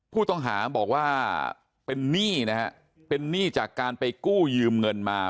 ผู้ต้องหาบอกว่าเป็นหนี้นะฮะเป็นหนี้จากการไปกู้ยืมเงินมา